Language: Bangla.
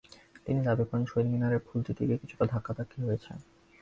তিনি দাবি করেন, শহীদ মিনারে ফুল দিতে গিয়ে কিছুটা ধাক্কাধাক্কি হয়েছে।